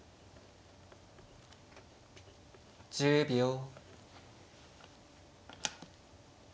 １０秒。